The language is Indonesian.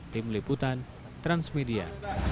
tim liputan transmedia